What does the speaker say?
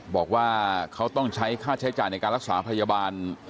บอกว่าเขาต้องใช้ค่าใช้จ่ายในการรักษาพยาบาล